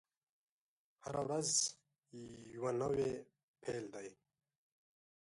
هره ورځ یوه نوې پیل دی.